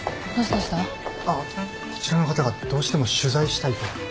こちらの方がどうしても取材したいと。